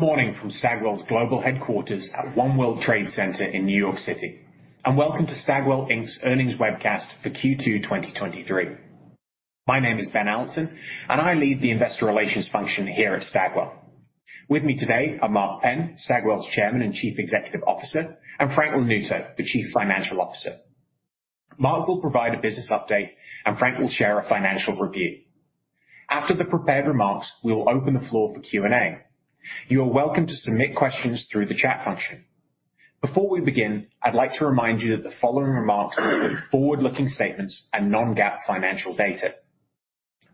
Good morning from Stagwell's global headquarters at One World Trade Center in New York City. Welcome to Stagwell Inc's earnings webcast for Q2 2023. My name is Ben Allinson. I lead the investor relations function here at Stagwell. With me today are Mark Penn, Stagwell's Chairman and Chief Executive Officer, Frank Lanuto, the Chief Financial Officer. Mark will provide a business update. Frank will share a financial review. After the prepared remarks, we will open the floor for Q&A. You are welcome to submit questions through the chat function. Before we begin, I'd like to remind you that the following remarks include forward-looking statements and non-GAAP financial data.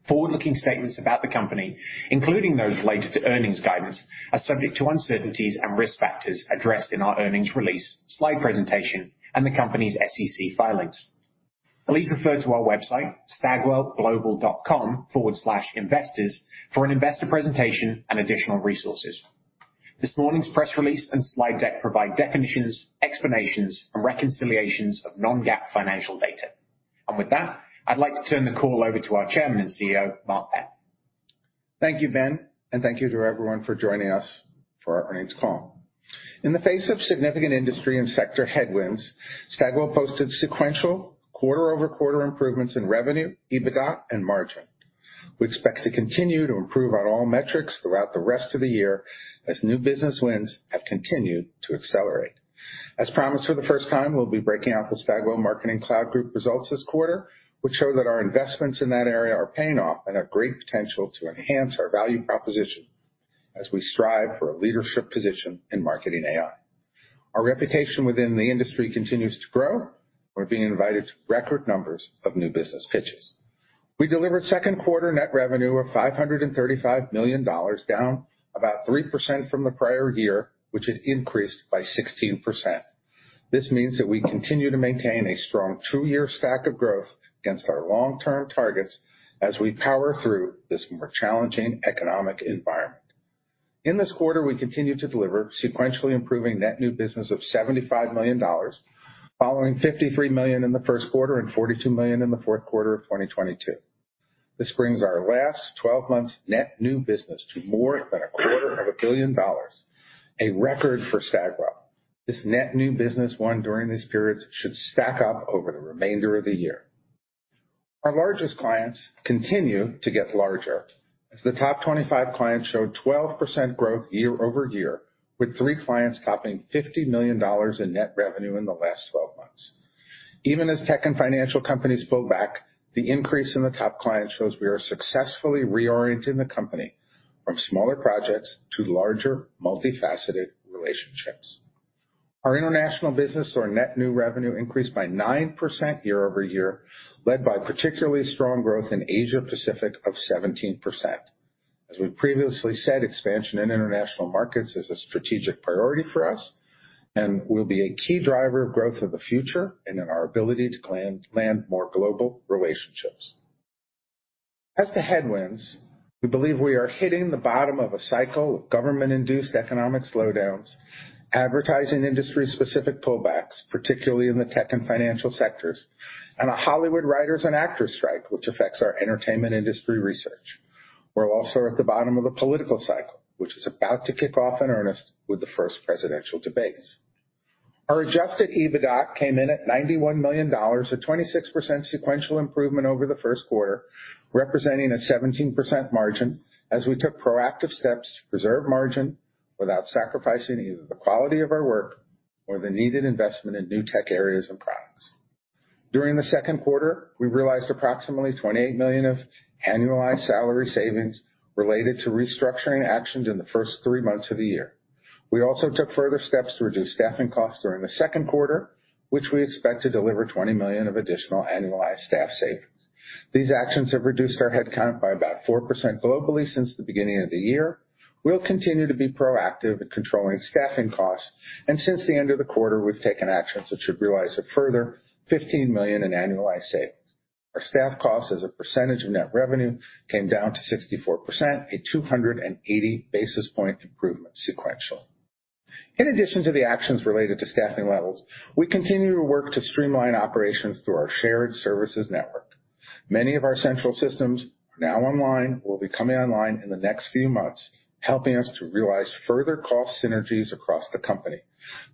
Forward-looking statements about the company, including those related to earnings guidance, are subject to uncertainties and risk factors addressed in our earnings release, slide presentation, and the company's SEC filings. Please refer to our website, stagwellglobal.com/investors, for an investor presentation and additional resources. This morning's press release and slide deck provide definitions, explanations, and reconciliations of non-GAAP financial data. With that, I'd like to turn the call over to our Chairman and Chief Executive Officer, Mark Penn. Thank you, Ben, and thank you to everyone for joining us for our earnings call. In the face of significant industry and sector headwinds, Stagwell posted sequential quarter-over-quarter improvements in revenue, EBITDA, and margin. We expect to continue to improve on all metrics throughout the rest of the year as new business wins have continued to accelerate. As promised, for the first time, we'll be breaking out the Stagwell Marketing Cloud Group results this quarter, which show that our investments in that area are paying off and have great potential to enhance our value proposition as we strive for a leadership position in marketing AI. Our reputation within the industry continues to grow. We're being invited to record numbers of new business pitches. We delivered second quarter net revenue of $535 million, down about 3% from the prior year, which had increased by 16%. This means that we continue to maintain a strong two-year stack of growth against our long-term targets as we power through this more challenging economic environment. In this quarter, we continued to deliver sequentially improving net new business of $75 million, following $53 million in the first quarter and $42 million in the fourth quarter of 2022. This brings our last 12 months net new business to more than $250 million, a record for Stagwell. This net new business won during these periods should stack up over the remainder of the year. Our largest clients continue to get larger, as the top 25 clients showed 12% growth year-over-year, with three clients topping $50 million in net revenue in the last twelve months. Even as tech and financial companies pull back, the increase in the top clients shows we are successfully reorienting the company from smaller projects to larger, multifaceted relationships. Our international business or net new revenue increased by 9% year-over-year, led by particularly strong growth in Asia Pacific of 17%. As we've previously said, expansion in international markets is a strategic priority for us and will be a key driver of growth of the future and in our ability to land more global relationships. As to headwinds, we believe we are hitting the bottom of a cycle of government-induced economic slowdowns, advertising industry-specific pullbacks, particularly in the tech and financial sectors, and a Hollywood writers and actors strike, which affects our entertainment industry research. We're also at the bottom of a political cycle, which is about to kick off in earnest with the first presidential debates. Our adjusted EBITDA came in at $91 million, a 26% sequential improvement over the first quarter, representing a 17% margin as we took proactive steps to preserve margin without sacrificing either the quality of our work or the needed investment in new tech areas and products. During the second quarter, we realized approximately $28 million of annualized salary savings related to restructuring actions in the first three months of the year. We also took further steps to reduce staffing costs during the second quarter, which we expect to deliver $20 million of additional annualized staff savings. These actions have reduced our headcount by about 4% globally since the beginning of the year. We'll continue to be proactive in controlling staffing costs, and since the end of the quarter, we've taken actions that should realize a further $15 million in annualized savings. Our staff costs as a percentage of net revenue came down to 64%, a 280 basis point improvement sequentially. In addition to the actions related to staffing levels, we continue to work to streamline operations through our shared services network. Many of our central systems are now online or will be coming online in the next few months, helping us to realize further cost synergies across the company.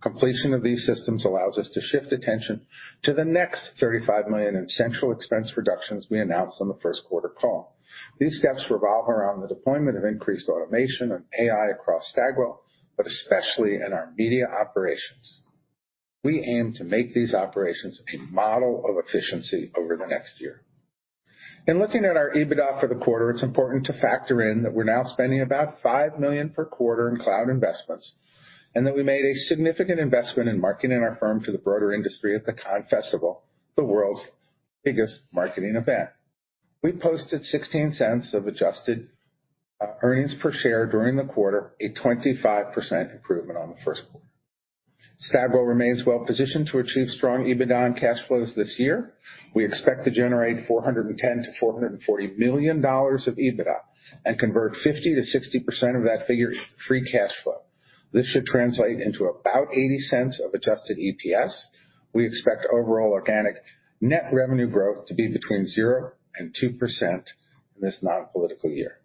Completion of these systems allows us to shift attention to the next $35 million in central expense reductions we announced on the first quarter call. These steps revolve around the deployment of increased automation and AI across Stagwell, but especially in our media operations. We aim to make these operations a model of efficiency over the next year. In looking at our EBITDA for the quarter, it's important to factor in that we're now spending about $5 million per quarter in cloud investments, and that we made a significant investment in marketing our firm to the broader industry at the Cannes Festival, the world's biggest marketing event. We posted $0.16 of adjusted earnings per share during the quarter, a 25% improvement on the first quarter. Stagwell remains well positioned to achieve strong EBITDA and cash flows this year. We expect to generate $410 million-$440 million of EBITDA and convert 50%-60% of that figure to free cash flow.... This should translate into about $0.80 of adjusted EPS. We expect overall organic net revenue growth to be between 0% and 2% in this non-political year.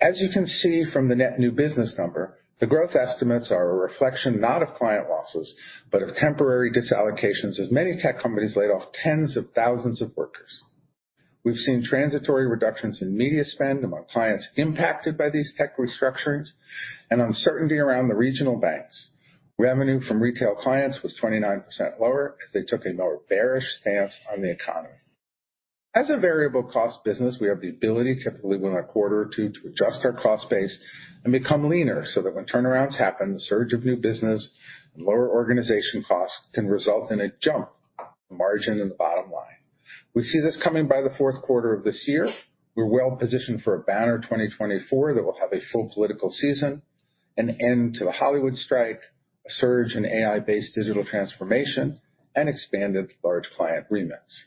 As you can see from the net new business number, the growth estimates are a reflection, not of client losses, but of temporary disallocations, as many tech companies laid off tens of thousands of workers. We've seen transitory reductions in media spend among clients impacted by these tech restructurings and uncertainty around the regional banks. Revenue from retail clients was 29% lower as they took a more bearish stance on the economy. As a variable cost business, we have the ability, typically in a quarter or two, to adjust our cost base and become leaner so that when turnarounds happen, the surge of new business and lower organization costs can result in a jump margin in the bottom line. We see this coming by the fourth quarter of this year. We're well positioned for a banner 2024 that will have a full political season, an end to the Hollywood strike, a surge in AI-based digital transformation, and expanded large client remits.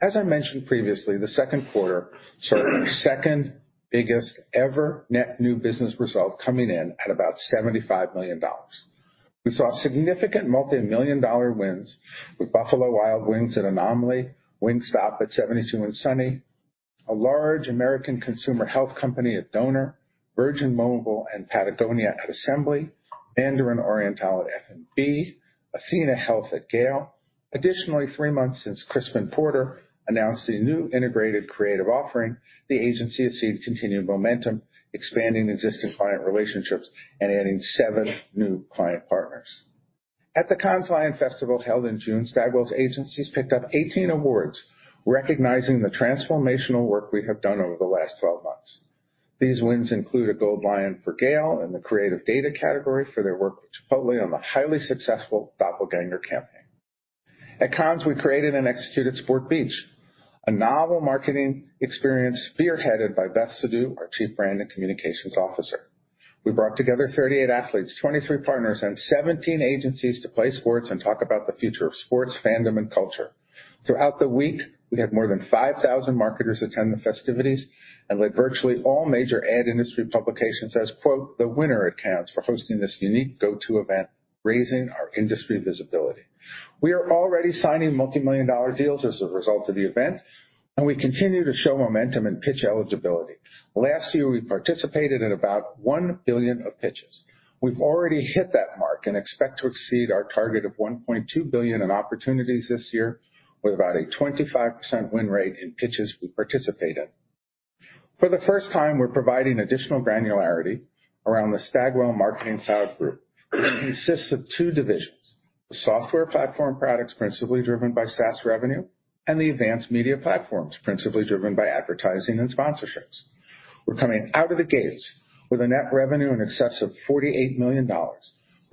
As I mentioned previously, the second quarter saw our second biggest-ever net new business result coming in at about $75 million. We saw significant multimillion-dollar wins with Buffalo Wild Wings at Anomaly, Wingstop at 72andSunny, a large American consumer health company at Doner, Virgin Mobile, and Patagonia at Assembly, Mandarin Oriental at F&B, athenahealth at GALE. Additionally, three months since Crispin Porter announced the new integrated creative offering, the agency has seen continued momentum, expanding existing client relationships and adding seven new client partners. At the Cannes Lion Festival, held in June, Stagwell's agencies picked up 18 awards, recognizing the transformational work we have done over the last 12 months. These wins include a Gold Lion for GALE in the creative data category, for their work with Chipotle on the highly successful Doppelgänger campaign. At Cannes, we created and executed Sport Beach, a novel marketing experience spearheaded by Beth Sidhu, our Chief Brand and Communications Officer. We brought together 38 athletes, 23 partners, and 17 agencies to play sports and talk about the future of sports, fandom, and culture. Throughout the week, we had more than 5,000 marketers attend the festivities and led virtually all major ad industry publications as quote, "The winner at Cannes for hosting this unique go-to event," raising our industry visibility. We are already signing multimillion-dollar deals as a result of the event, and we continue to show momentum and pitch eligibility. Last year, we participated in about $1 billion of pitches. We've already hit that mark and expect to exceed our target of $1.2 billion in opportunities this year, with about a 25% win rate in pitches we participate in. For the first time, we're providing additional granularity around the Stagwell Marketing Cloud Group. It consists of two divisions: the software platform products, principally driven by SaaS revenue, and the Advanced Media Platforms, principally driven by advertising and sponsorships. We're coming out of the gates with a net revenue in excess of $48 million,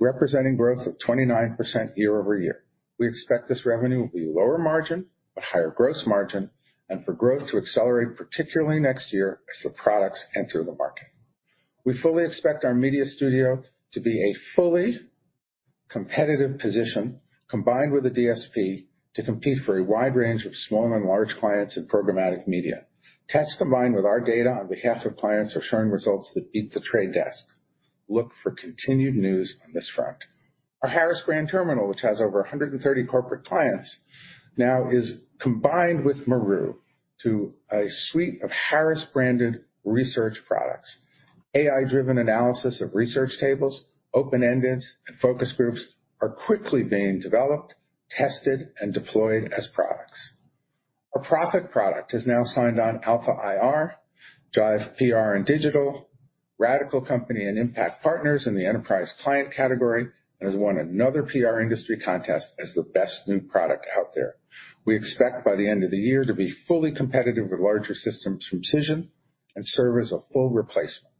representing growth of 29% year-over-year. We expect this revenue will be lower margin, but higher gross margin, and for growth to accelerate, particularly next year, as the products enter the market. We fully expect our Media Studio to be a fully competitive position, combined with the DSP, to compete for a wide range of small and large clients in programmatic media. Tests, combined with our data on behalf of clients, are showing results that beat The Trade Desk. Look for continued news on this front. Our Harris Brand terminal, which has over 130 corporate clients, now is combined with Maru to a suite of Harris-branded research products. AI-driven analysis of research tables, open-ended, and focus groups are quickly being developed, tested, and deployed as products. Our PRophet product has now signed on Alpha IR, Jive PR and Digital, Radical Company, and Impact Partners in the enterprise client category and has won another PR industry contest as the best new product out there. We expect, by the end of the year, to be fully competitive with larger systems from Cision and serve as a full replacement.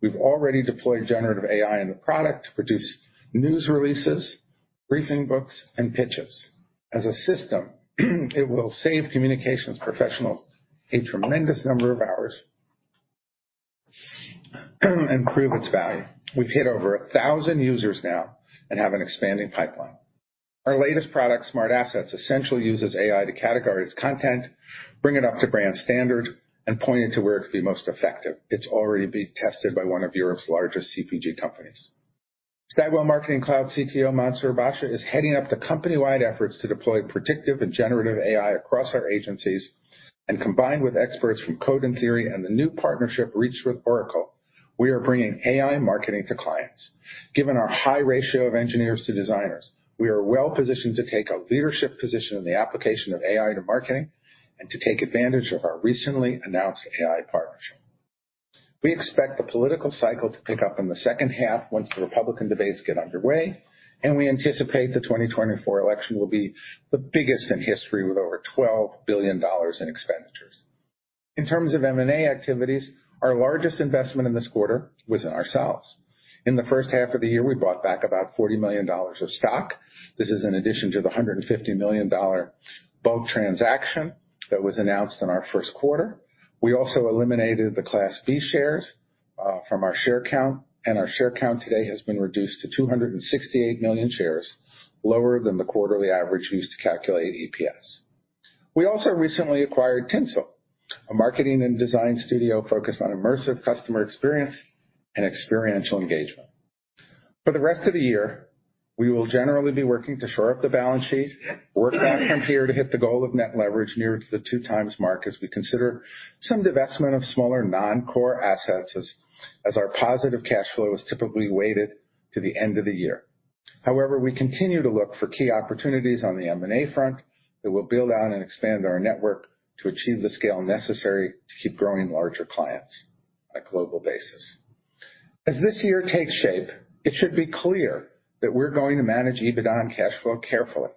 We've already deployed generative AI in the product to produce news releases, briefing books, and pitches. As a system, it will save communications professionals a tremendous number of hours, and prove its value. We've hit over 1,000 users now and have an expanding pipeline. Our latest product, SmartAssets, essentially uses AI to categorize content, bring it up to brand standard, and point it to where it could be most effective. It's already being tested by one of Europe's largest CPG companies. Stagwell Marketing Cloud CTO, Manzer Basha, is heading up the company-wide efforts to deploy predictive and generative AI across our agencies, and combined with experts from Code and Theory and the new partnership reached with Oracle, we are bringing AI marketing to clients. Given our high ratio of engineers to designers, we are well positioned to take a leadership position in the application of AI to marketing and to take advantage of our recently announced AI partnership. We expect the political cycle to pick up in the second half once the Republican debates get underway, and we anticipate the 2024 election will be the biggest in history, with over $12 billion in expenditures. In terms of M&A activities, our largest investment in this quarter was in ourselves. In the first half of the year, we bought back about $40 million of stock. This is in addition to the $150 million bolt-on transaction that was announced in our first quarter. We also eliminated the Class B shares from our share count, and our share count today has been reduced to 268 million shares, lower than the quarterly average used to calculate EPS. We also recently acquired TINSEL, a marketing and design studio focused on immersive customer experience and experiential engagement. For the rest of the year, we will generally be working to shore up the balance sheet, work back from here to hit the goal of net leverage nearer to the 2x mark as we consider some divestment of smaller non-core assets, as our positive cash flow is typically weighted to the end of the year. However, we continue to look for key opportunities on the M&A front that will build out and expand our network to achieve the scale necessary to keep growing larger clients on a global basis. As this year takes shape, it should be clear that we're going to manage EBITDA and cash flow carefully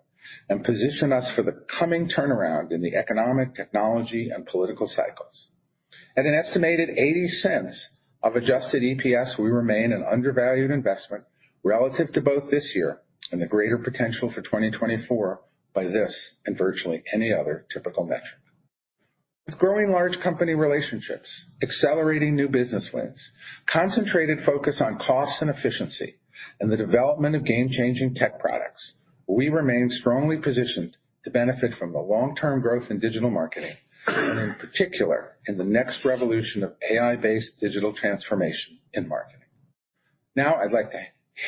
and position us for the coming turnaround in the economic, technology, and political cycles. At an estimated $0.80 of adjusted EPS, we remain an undervalued investment relative to both this year and the greater potential for 2024 by this and virtually any other typical metric. With growing large company relationships, accelerating new business wins, concentrated focus on cost and efficiency, and the development of game-changing tech products, we remain strongly positioned to benefit from the long-term growth in digital marketing, and in particular, in the next revolution of AI-based digital transformation in marketing. Now, I'd like to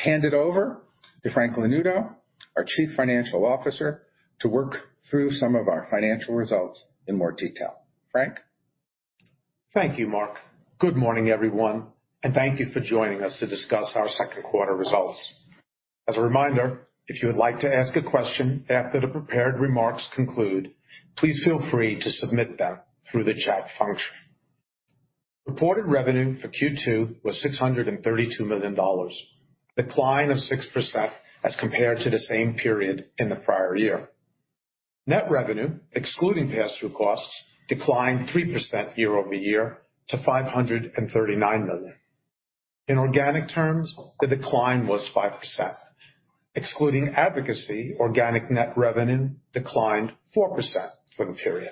hand it over to Frank Lanuto, our Chief Financial Officer, to work through some of our financial results in more detail. Frank? Thank you, Mark. Good morning, everyone, and thank you for joining us to discuss our second quarter results. As a reminder, if you would like to ask a question after the prepared remarks conclude, please feel free to submit them through the chat function. Reported revenue for Q2 was $632 million, decline of 6% as compared to the same period in the prior year. Net revenue, excluding pass-through costs, declined 3% year-over-year to $539 million. In organic terms, the decline was 5%. Excluding advocacy, organic net revenue declined 4% for the period.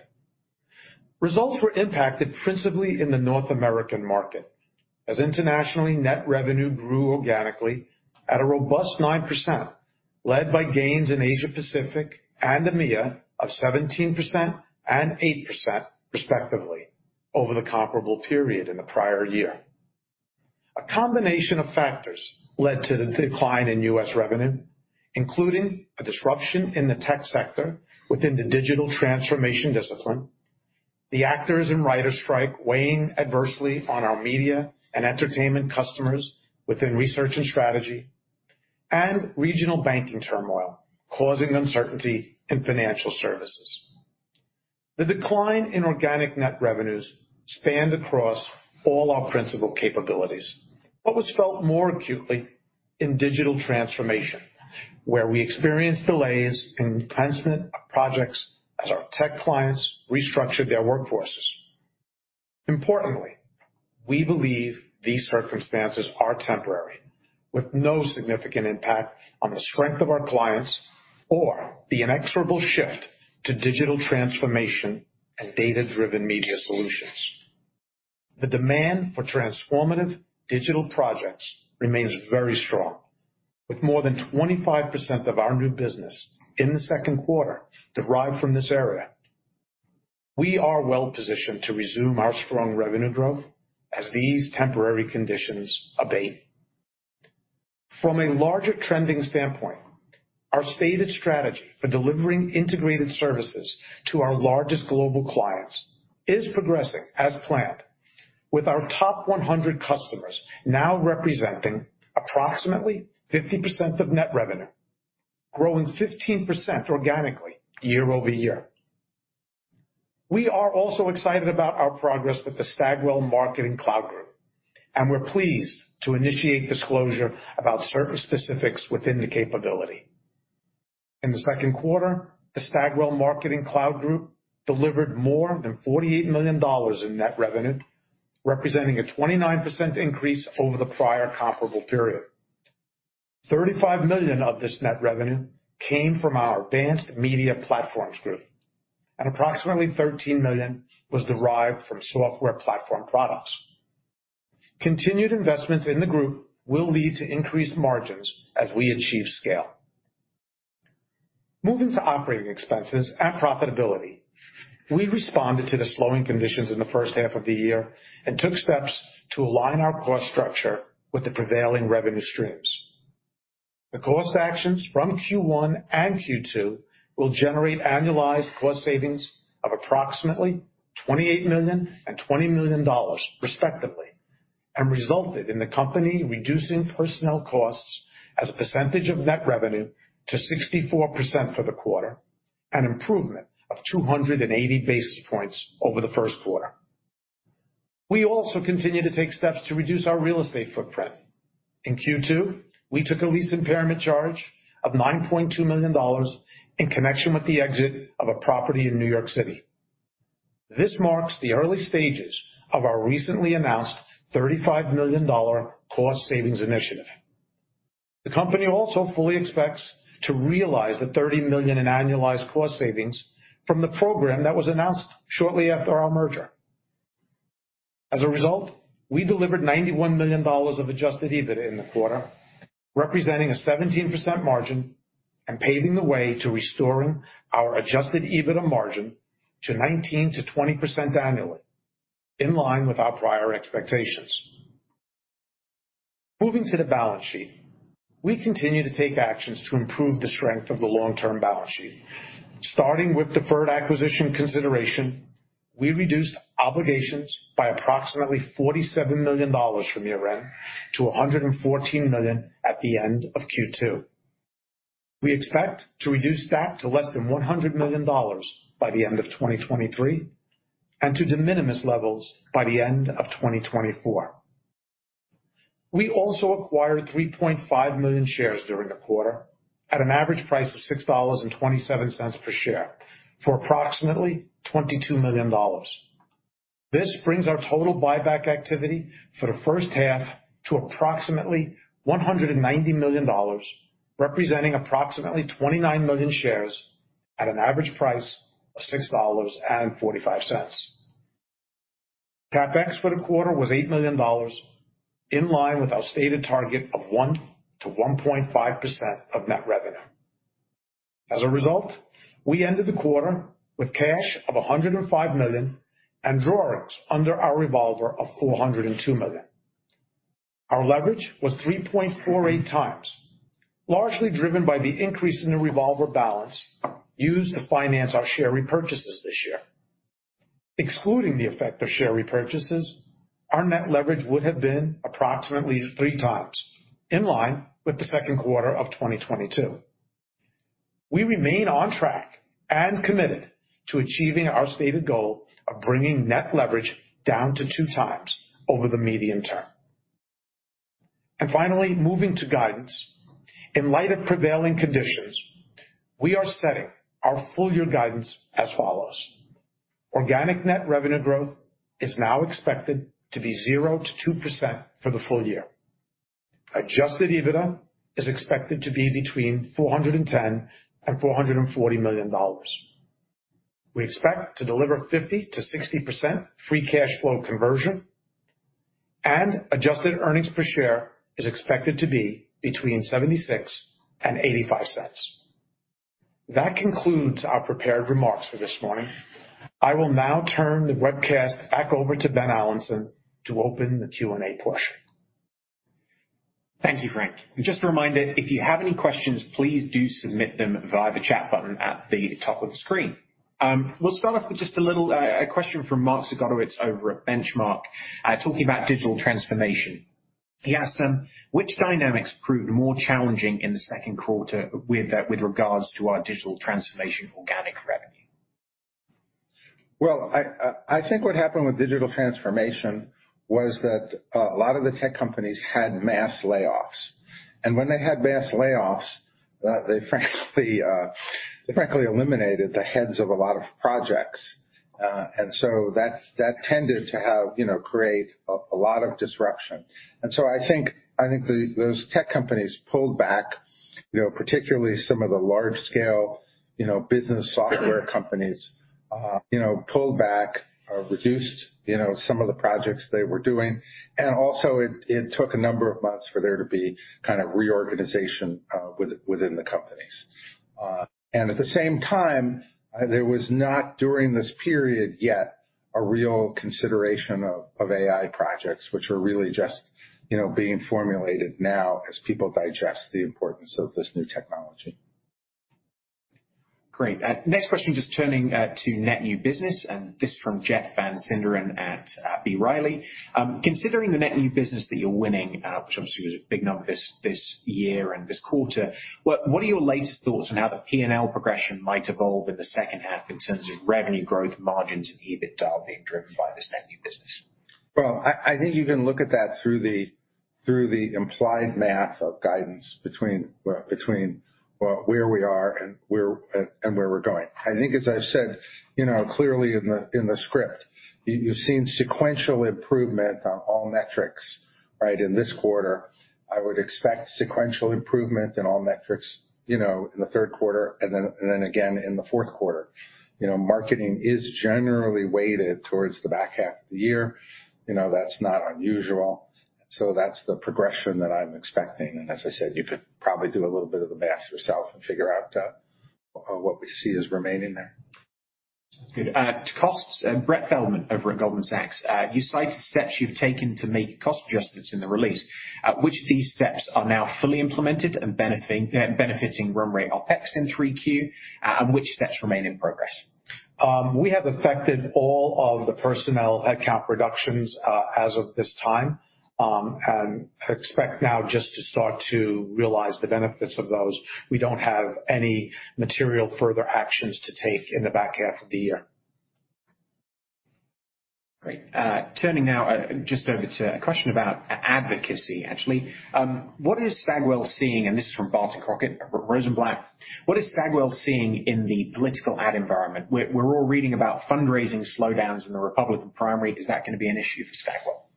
Results were impacted principally in the North American market, as internationally, net revenue grew organically at a robust 9%, led by gains in Asia Pacific and EMEA of 17% and 8% respectively over the comparable period in the prior year. A combination of factors led to the decline in U.S. revenue, including a disruption in the tech sector within the digital transformation discipline, the actors and writers strike weighing adversely on our media and entertainment customers within research and strategy, and regional banking turmoil causing uncertainty in financial services. The decline in organic net revenues spanned across all our principal capabilities, but was felt more acutely in digital transformation, where we experienced delays in commencement of projects as our tech clients restructured their workforces. Importantly, we believe these circumstances are temporary, with no significant impact on the strength of our clients or the inexorable shift to digital transformation and data-driven media solutions. The demand for transformative digital projects remains very strong, with more than 25% of our new business in the second quarter derived from this area. We are well positioned to resume our strong revenue growth as these temporary conditions abate. From a larger trending standpoint, our stated strategy for delivering integrated services to our largest global clients is progressing as planned, with our top 100 customers now representing approximately 50% of net revenue, growing 15% organically year-over-year. We are also excited about our progress with the Stagwell Marketing Cloud Group, and we're pleased to initiate disclosure about certain specifics within the capability. In the Q2, the Stagwell Marketing Cloud Group delivered more than $48 million in net revenue, representing a 29% increase over the prior comparable period. $35 million of this net revenue came from our Advanced Media Platforms Group, and approximately $13 million was derived from software platform products. Continued investments in the group will lead to increased margins as we achieve scale. Moving to operating expenses and profitability, we responded to the slowing conditions in the first half of the year and took steps to align our cost structure with the prevailing revenue streams. The cost actions from Q1 and Q2 will generate annualized cost savings of approximately $28 million and $20 million, respectively, and resulted in the company reducing personnel costs as a percentage of net revenue to 64% for the quarter, an improvement of 280 basis points over the first quarter. We also continue to take steps to reduce our real estate footprint. In Q2, we took a lease impairment charge of $9.2 million in connection with the exit of a property in New York City. This marks the early stages of our recently announced $35 million cost savings initiative. The company also fully expects to realize the $30 million in annualized cost savings from the program that was announced shortly after our merger. As a result, we delivered $91 million of adjusted EBITDA in the quarter, representing a 17% margin and paving the way to restoring our adjusted EBITDA margin to 19%-20% annually, in line with our prior expectations. Moving to the balance sheet, we continue to take actions to improve the strength of the long-term balance sheet. Starting with deferred acquisition consideration, we reduced obligations by approximately $47 million from year-end to $114 million at the end of Q2. We expect to reduce that to less than $100 million by the end of 2023, and to de minimis levels by the end of 2024. We also acquired 3.5 million shares during the quarter at an average price of $6.27 per share for approximately $22 million. This brings our total buyback activity for the first half to approximately $190 million, representing approximately 29 million shares at an average price of $6.45. CapEx for the quarter was $8 million, in line with our stated target of 1%-1.5% of net revenue. As a result, we ended the quarter with cash of $105 million and drawings under our revolver of $402 million. Our leverage was 3.48x, largely driven by the increase in the revolver balance used to finance our share repurchases this year. Excluding the effect of share repurchases, our net leverage would have been approximately 3x in line with the second quarter of 2022. We remain on track and committed to achieving our stated goal of bringing net leverage down to 2x over the medium term. Finally, moving to guidance. In light of prevailing conditions, we are setting our full year guidance as follows: Organic net revenue growth is now expected to be 0%-2% for the full year. Adjusted EBITDA is expected to be between $410 million and $440 million. We expect to deliver 50%-60% free cash flow conversion, and adjusted earnings per share is expected to be between $0.76 and $0.85. That concludes our prepared remarks for this morning. I will now turn the webcast back over to Ben Allinson to open the Q&A portion. Thank you, Frank. Just a reminder, if you have any questions, please do submit them via the chat button at the top of the screen. We'll start off with just a little a question from Mark Zgutowicz over at Benchmark talking about digital transformation. He asked, "Which dynamics proved more challenging in the second quarter with regards to our digital transformation organic revenue? Well, I, I think what happened with digital transformation was that a lot of the tech companies had mass layoffs, and when they had mass layoffs, they frankly, they frankly eliminated the heads of a lot of projects. That tended to have, you know, create a lot of disruption. I think, I think those tech companies pulled back, you know, particularly some of the large-scale, you know, business software companies, you know, pulled back or reduced, you know, some of the projects they were doing. It, it took a number of months for there to be kind of reorganization within the companies. At the same time, there was not, during this period, yet, a real consideration of AI projects, which are really just, you know, being formulated now as people digest the importance of this new technology. Great. Next question, just turning to net new business, and this from Jeff Van Sinderen at B. Riley. Considering the net new business that you're winning, which obviously was a big number this, this year and this quarter, what are your latest thoughts on how the P&L progression might evolve in the second half in terms of revenue growth, margins, and EBITDA being driven by this net new business? Well, I, I think you can look at that through the, through the implied math of guidance between, between, where we are and where, and where we're going. I think, as I've said, you know, clearly in the, in the script, you, you've seen sequential improvement on all metrics, right? In this quarter, I would expect sequential improvement in all metrics, you know, in the third quarter and then, and then again in the fourth quarter. You know, marketing is generally weighted towards the back half of the year. You know, that's not unusual. That's the progression that I'm expecting, and as I said, you could probably do a little bit of the math yourself and figure out, what we see as remaining there. Good. Costs, Brett Feldman over at Goldman Sachs. You cite steps you've taken to make cost adjustments in the release. Which of these steps are now fully implemented and benefiting run rate OpEx in 3Q, and which steps remain in progress? We have affected all of the personnel headcount reductions as of this time, and expect now just to start to realize the benefits of those. We don't have any material further actions to take in the back half of the year. Great. Turning now, just over to a question about advocacy, actually. What is Stagwell seeing? This is from Barton Crockett, Rosenblatt. What is Stagwell seeing in the political ad environment? We're, we're all reading about fundraising slowdowns in the Republican primary. Is that gonna be an issue for Stagwell? ...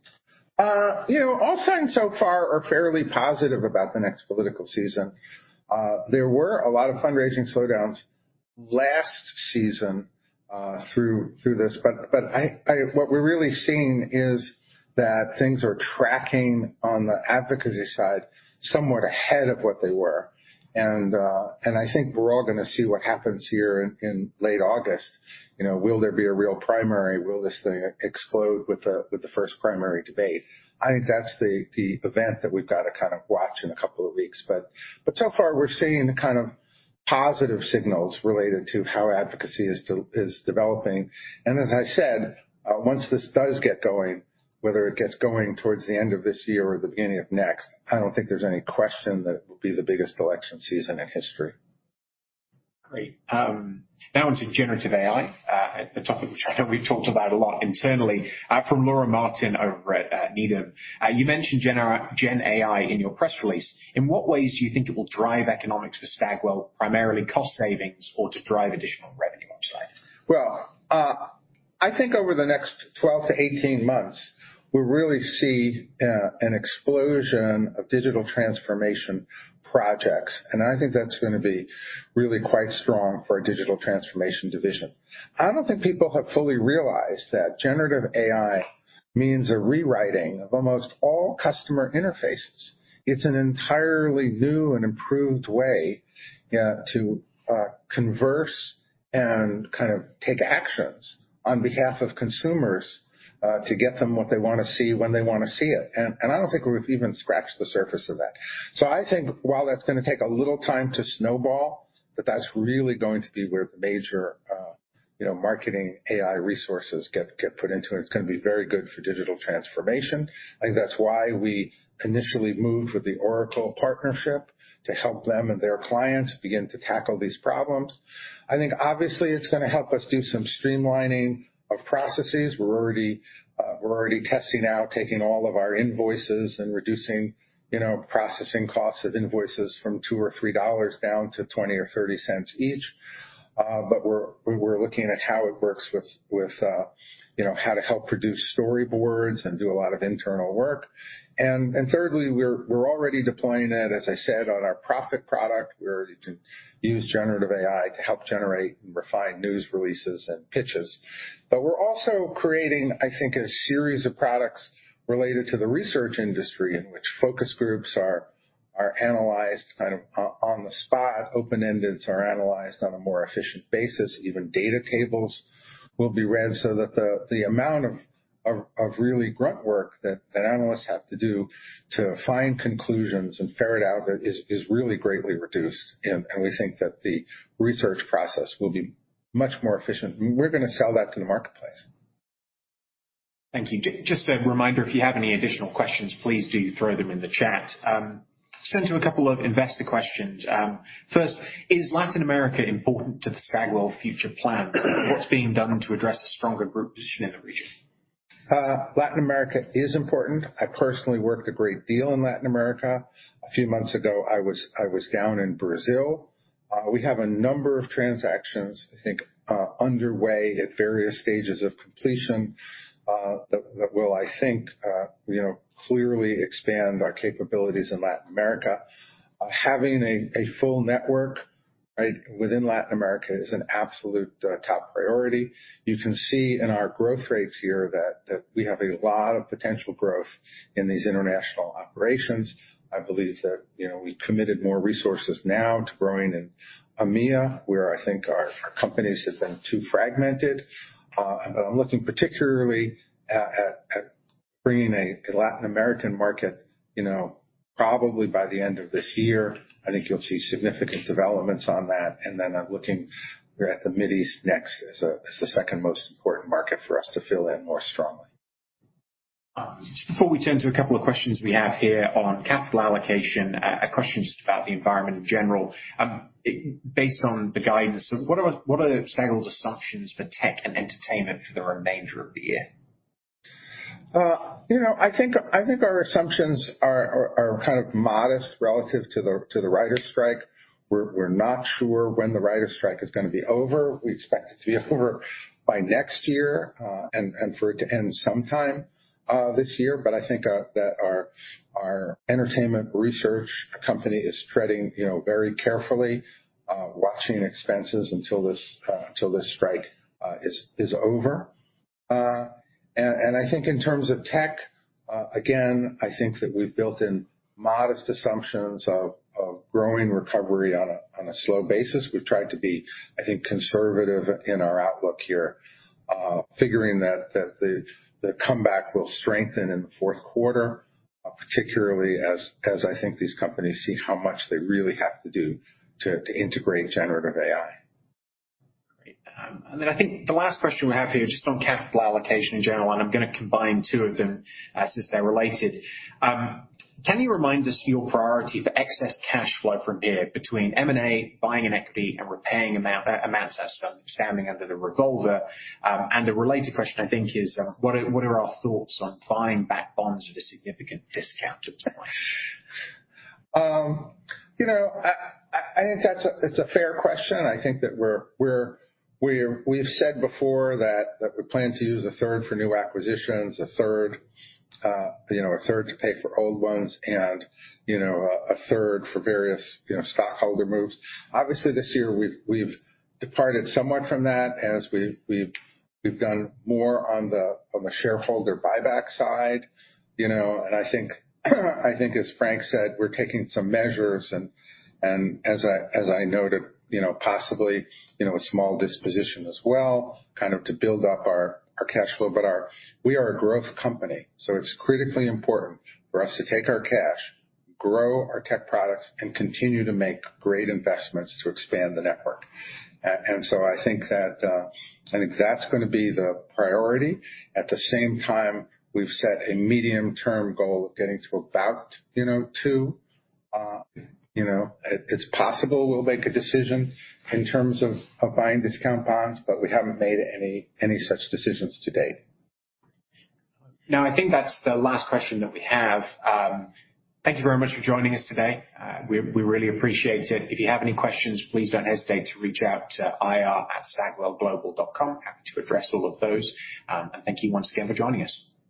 you know, all signs so far are fairly positive about the next political season. There were a lot of fundraising slowdowns last season, through, through this, but what we're really seeing is that things are tracking on the advocacy side, somewhat ahead of what they were. I think we're all gonna see what happens here in, in late August. You know, will there be a real primary? Will this thing explode with the, with the first primary debate? I think that's the, the event that we've got to kind of watch in a couple of weeks. So far, we're seeing the kind of positive signals related to how advocacy is developing. As I said, once this does get going, whether it gets going towards the end of this year or the beginning of next, I don't think there's any question that it will be the biggest election season in history. Great. Now on to GenAI, a topic which I know we've talked about a lot internally. From Laura Martin over at Needham, you mentioned GenAI in your press release. In what ways do you think it will drive economics for Stagwell, primarily cost savings or to drive additional revenue upside? Well, I think over the next 12 to 18 months, we'll really see an explosion of digital transformation projects, and I think that's gonna be really quite strong for our digital transformation division. I don't think people have fully realized that generative AI means a rewriting of almost all customer interfaces. It's an entirely new and improved way to converse and kind of take actions on behalf of consumers to get them what they want to see, when they want to see it. I don't think we've even scratched the surface of that. I think while that's gonna take a little time to snowball, but that's really going to be where the major, you know, marketing AI resources get, get put into it. It's gonna be very good for digital transformation. I think that's why we initially moved with the Oracle partnership to help them and their clients begin to tackle these problems. I think obviously it's gonna help us do some streamlining of processes. We're already, we're already testing out, taking all of our invoices and reducing, you know, processing costs of invoices from $2 or $3 down to $0.20 or $0.30 each. We're, we're looking at how it works with, with, you know, how to help produce storyboards and do a lot of internal work. Thirdly, we're, we're already deploying it, as I said, on our PRophet product. We're ready to use generative AI to help generate and refine news releases and pitches. We're also creating, I think, a series of products related to the research industry, in which focus groups are, are analyzed kind of on the spot. Open-ended are analyzed on a more efficient basis. Even data tables will be read so that the amount of really grunt work that analysts have to do to find conclusions and ferret out is really greatly reduced, and we think that the research process will be much more efficient. We're gonna sell that to the marketplace. Thank you. Just a reminder, if you have any additional questions, please do throw them in the chat. send you two investor questions. First, is Latin America important to the Stagwell future plans? What's being done to address the stronger group position in the region? Latin America is important. I personally worked a great deal in Latin America. A few months ago, I was down in Brazil. We have a number of transactions, I think, underway at various stages of completion, that will, I think, you know, clearly expand our capabilities in Latin America. Having a full network, right, within Latin America is an absolute top priority. You can see in our growth rates here that we have a lot of potential growth in these international operations. I believe that, you know, we committed more resources now to growing in EMEA, where I think our companies have been too fragmented. I'm looking particularly at bringing a Latin American market, you know, probably by the end of this year. I think you'll see significant developments on that, and then I'm looking at the Middle East next as the second most important market for us to fill in more strongly. Just before we turn to a couple of questions we have here on capital allocation, a question just about the environment in general. Based on the guidance, what are Stagwell's assumptions for tech and entertainment for the remainder of the year? You know, I think, I think our assumptions are kind of modest relative to the writers' strike. We're not sure when the writers' strike is gonna be over. We expect it to be over by next year, and for it to end sometime this year. I think that our entertainment research company is treading, you know, very carefully, watching expenses until this strike is over. I think in terms of tech, again, I think that we've built in modest assumptions of growing recovery on a slow basis. We've tried to be, I think, conservative in our outlook here, figuring that, that the, the comeback will strengthen in the fourth quarter, particularly as, as I think these companies see how much they really have to do to, to integrate generative AI. Great. I think the last question we have here, just on capital allocation in general, and I'm gonna combine two of them as they're related. Can you remind us your priority for excess cash flow from here between M&A, buying an equity, and repaying amounts as standing under the revolver? A related question, I think, is, what are our thoughts on buying back bonds at a significant discount to face? you know, I, I, I think that's a fair question. I think that we're, we're, we're We've said before that, that we plan to use a third for new acquisitions, a third, you know, a third to pay for old ones and, you know, a, a third for various, you know, stockholder moves. Obviously, this year, we've, we've departed somewhat from that as we've, we've, we've done more on the, on the shareholder buyback side, you know, and I think, I think, as Frank said, we're taking some measures. As I, as I noted, you know, possibly, you know, a small disposition as well, kind of to build up our, our cash flow. We are a growth company, so it's critically important for us to take our cash, grow our tech products, and continue to make great investments to expand the network. I think that, I think that's gonna be the priority. At the same time, we've set a medium-term goal of getting to about, you know, 2x. you know, it, it's possible we'll make a decision in terms of, of buying discount bonds, but we haven't made any, any such decisions to date. I think that's the last question that we have. Thank you very much for joining us today. We, we really appreciate it. If you have any questions, please don't hesitate to reach out to ir@stagwellglobal.com. Happy to address all of those, and thank you once again for joining us.